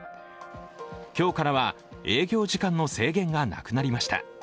今日からは営業時間の制限がなくなりました。